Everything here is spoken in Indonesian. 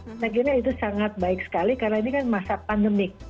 saya kira itu sangat baik sekali karena ini kan masa pandemik